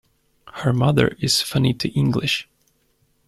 Her mother is Fanita English.